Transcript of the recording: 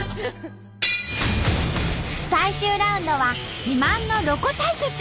最終ラウンドは自慢のロコ対決！